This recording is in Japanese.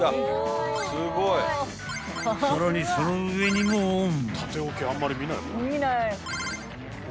［さらにその上にもオン］